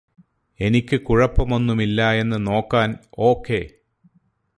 എനിക്ക് കുഴപ്പമൊന്നുമില്ലായെന്ന് നോക്കാൻ ഓക്കേ